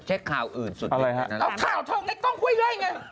เอาข้าวเท่าเดี๋ยวก็จะต้องคุยย่ายย